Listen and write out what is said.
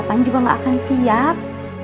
kapan juga mah akan siap